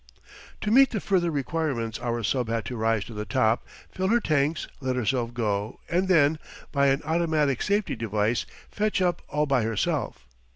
To meet the further requirements our sub had to rise to the top, fill her tanks, let herself go, and then, by an automatic safety device, fetch up all by herself.